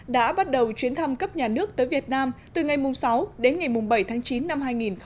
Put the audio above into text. đã bắt đầu chuyến thăm cấp nhà nước tới việt nam từ ngày sáu đến ngày bảy tháng chín năm hai nghìn một mươi chín